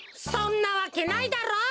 そんなわけないだろ？